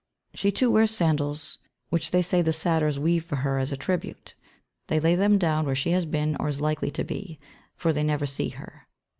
She, too, wears sandals, which they say the Satyrs weave for her as a tribute. They lay them down where she has been or is likely to be; for they never see her.